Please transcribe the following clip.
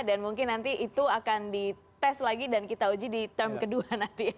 dan mungkin nanti itu akan dites lagi dan kita uji di term kedua nanti ya